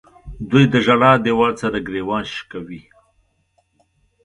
دوی د ژړا دیوال سره ګریوان شکوي.